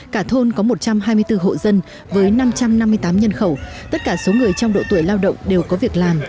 cả thôn có một trăm hai mươi bốn hộ dân với năm trăm năm mươi tám nhân khẩu tất cả số người trong độ tuổi lao động đều có việc làm